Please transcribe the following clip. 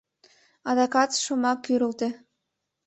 Адакат шомак кӱрылтӧ.